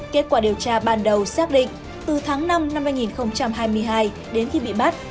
kết quả điều tra ban đầu xác định từ tháng năm năm hai nghìn hai mươi hai đến khi bị bắt